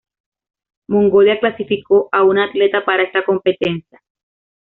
Mongolia clasificó a una atleta para esta competencia.